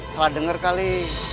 salah denger kali